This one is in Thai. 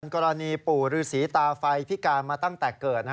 กรณีปู่ฤษีตาไฟพิการมาตั้งแต่เกิด